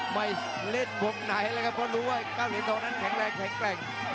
ไม่เล่นวงไหนเลยครับเพราะรู้ว่า๙เหรียญทองนั้นแข็งแรงแข็งแกร่ง